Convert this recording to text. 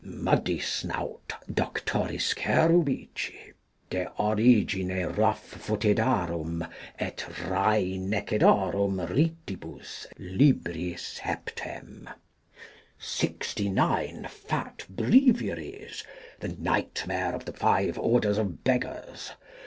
Muddisnout Doctoris Cherubici, de origine Roughfootedarum, et Wryneckedorum ritibus, libri septem. Sixty nine fat Breviaries. The Nightmare of the five Orders of Beggars.